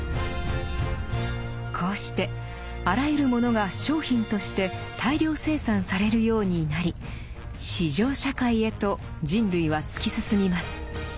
こうしてあらゆるものが「商品」として大量生産されるようになり「市場社会」へと人類は突き進みます。